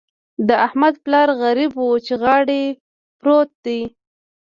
د احمد پلار غريب وچې غاړې پروت دی.